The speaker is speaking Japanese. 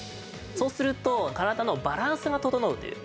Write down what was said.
そうすると体のバランスが整うという。